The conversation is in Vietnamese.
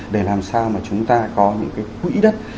để làm sao mà chúng ta có những cái quỹ đất